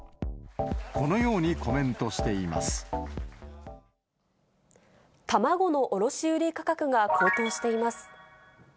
このようにコメントしていま卵の卸売り価格が高騰しています。